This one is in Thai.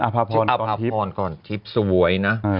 อภพรก่อนทิพย์สวยนะ